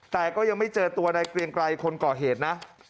แต่ก็ยังไม่เจอตัวในเกรียงไกรคนก่อเหตุนะ